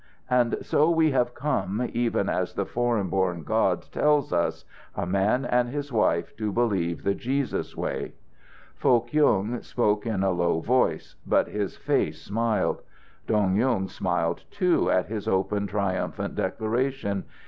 "And so we have come, even as the foreign born God tells us, a man and his wife, to believe the Jesus way." Foh Kyung spoke in a low voice, but his face smiled. Dong Yung smiled, too, at his open, triumphant declarations.